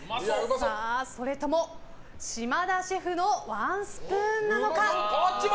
それとも、島田シェフのワンスプーンなのか。